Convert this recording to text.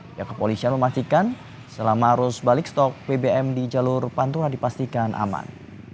pihak kepolisian memastikan selama arus balik stok bbm di jalur pantura dipastikan aman